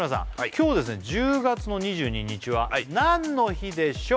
今日１０月の２２日は何の日でしょう？